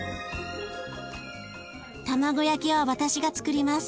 卵焼きは私がつくります。